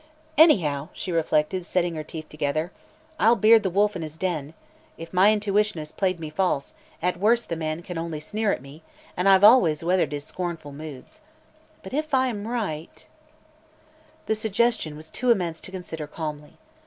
"Anyhow," she reflected, setting her teeth together, "I'll beard the wolf in his den. If my intuition has played me false, at worst the man can only sneer at me and I've always weathered his scornful moods. But if I am right " The suggestion was too immense to consider calmly.